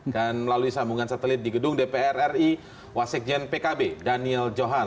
dan melalui sambungan satelit di gedung dpr ri wasikjen pkb daniel johan